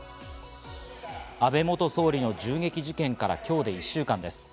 安倍元総理の銃撃事件から今日で１週間です。